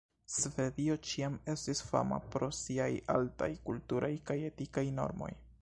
Svedio ĉiam estis fama pro siaj altaj kulturaj kaj etikaj normoj.